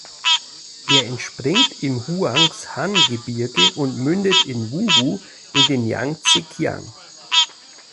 Er entspringt im Huangshan-Gebirge und mündet in Wuhu in den Jangtsekiang.